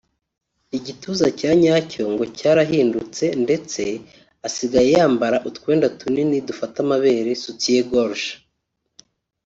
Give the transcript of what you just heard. igituza cya nyacyo ngo cyarahindutse cyane ndetse asigaye yambara utwenda tunini dufata amabere (Soutien-gorge)